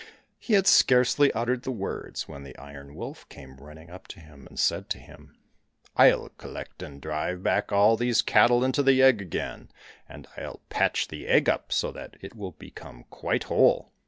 " He had scarcely uttered the words when the Iron Wolf came running up, and said to him, " I'll collect and drive back all these cattle into the egg again, and I'll patch the egg up so that it will become quite whole.